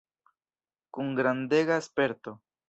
Kun grandega sperto.